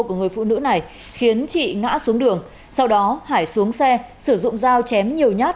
của người phụ nữ này khiến chị ngã xuống đường sau đó hải xuống xe sử dụng dao chém nhiều nhát